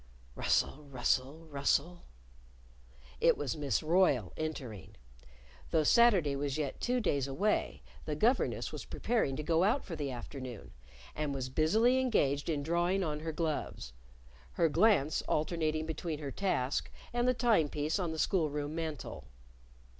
Rustle! Rustle! Rustle! It was Miss Royle, entering. Though Saturday was yet two days away, the governess was preparing to go out for the afternoon, and was busily engaged in drawing on her gloves, her glance alternating between her task and the time piece on the school room mantel.